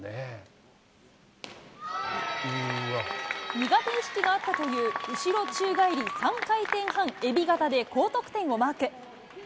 苦手意識があったという、後ろ宙返り３回転半えび型で高得点をマーク。